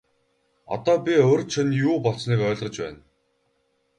Одоо би урьд шөнө юу болсныг ойлгож байна.